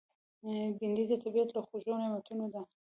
بېنډۍ د طبیعت له خوږو نعمتونو ده